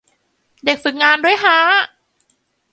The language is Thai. เด็กฝึกงานด้วยฮะ